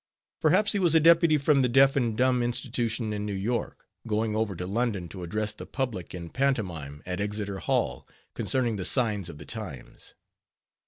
Perhaps he was a deputy from the Deaf and Dumb Institution in New York, going over to London to address the public in pantomime at Exeter Hall concerning the signs of the times.